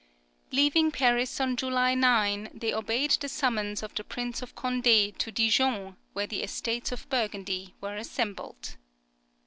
Leaving Paris on July 9 they obeyed the summons of the Prince of Condé to Dijon, where the Estates of Burgundy were assembled.